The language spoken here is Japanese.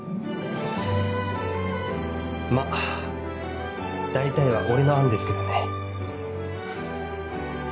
まぁ大体は俺の案ですけどね。